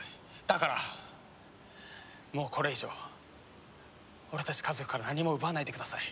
だからもうこれ以上俺たち家族から何も奪わないでください。